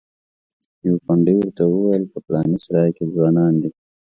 یوه پندي ورته وویل په پلانې سرای کې ځوانان دي.